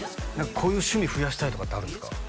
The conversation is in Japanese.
こういう趣味増やしたいとかってあるんですか？